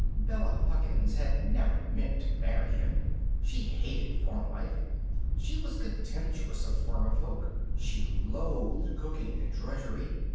Bella Huckins had never meant to marry him. She hated farm life. She was contemptuous of farmer folk. She loathed cooking and drudgery.